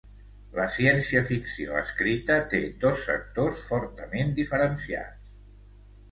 La ciència-ficció escrita té dos sectors fortament diferenciats.